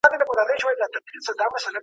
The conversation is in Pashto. د حديث بشپړ متن په حاشيه کي دی.